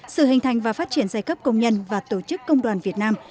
sự hình thành và phát triển giai cấp công nhân và tổ chức công đoàn việt nam